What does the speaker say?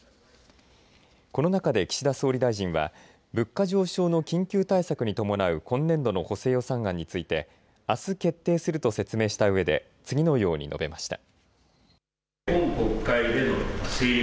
この中で岸田総理大臣は物価上昇の緊急対策に伴う今年度の補正予算案についてあす決定すると説明したうえで次のように述べました。